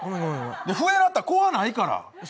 笛鳴ったら怖ないから。